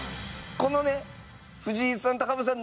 このね藤井さんと羽生さん